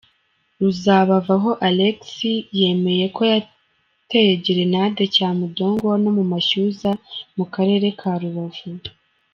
Ruzabavaho Alexis, yemeye ko yateye gerenade Cyamudongo no mu Mashyuza, mu karere ka Rubavu.